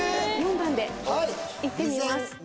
４番でいってみます